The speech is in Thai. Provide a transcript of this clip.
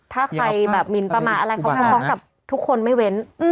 ถ้าใครแบบหมินประมาทอะไรเขาพร้อมกับทุกคนไม่เว้น